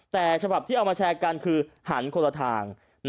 แต่ฉบับที่เอามาแชร์กันคือหันคนละทาง